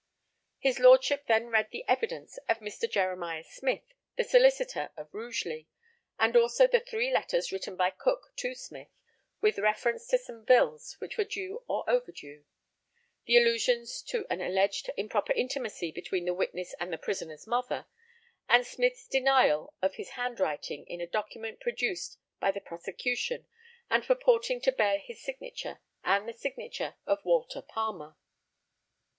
His lordship then read the evidence of Mr. Jeremiah Smith, the solicitor, of Rugeley, and also the three letters written by Cook to Smith with reference to some bills which were due or overdue, the allusions to an alleged improper intimacy between the witness and the prisoner's mother, and Smith's denial of his handwriting in a document produced by the prosecution, and purporting to bear his signature and the signature of Walter Palmer.